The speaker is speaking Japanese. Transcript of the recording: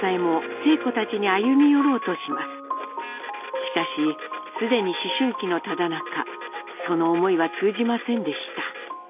しかし既に思春期のただなかその思いは通じませんでした。